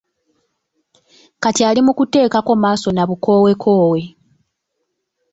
Kati ali mukuteekako maaso n'obukowekowe.